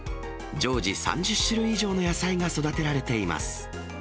常時３０種類以上の野菜が育てられています。